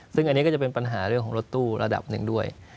ซึ่งอันนี้ก็จะเป็นปัญหาเรื่องของรถตู้ระดับหนึ่งด้วย